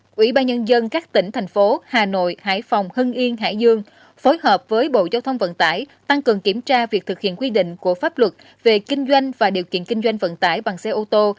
quỹ ba nhân dân các tỉnh thành phố hà nội hải phòng hưng yên hải dương phối hợp với bộ giao thông vận tải tăng cường kiểm tra việc thực hiện quy định của pháp luật về kinh doanh và điều kiện kinh doanh vận tải bằng xe ô tô